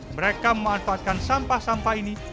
mereka memanfaatkan sampah sampah ini